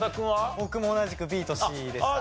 僕も同じくＢとＣでした。